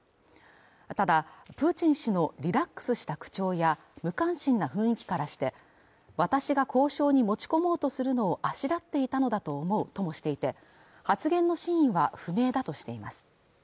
ただプーチン氏のリラックスした口調や無関心な雰囲気からして私が交渉に持ち込もうとするのをあしらっていたのだと思うともしていて発言の真意は不明だとしています